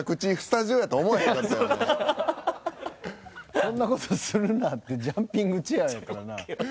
「そんな事するな」ってジャンピングチェアーやからな。